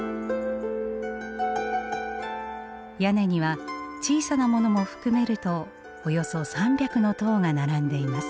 屋根には小さなものも含めるとおよそ３００の塔が並んでいます。